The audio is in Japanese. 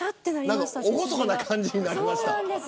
おごそかな感じになりました。